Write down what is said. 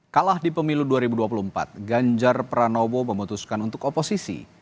kalah di pemilu dua ribu dua puluh empat ganjar pranowo memutuskan untuk oposisi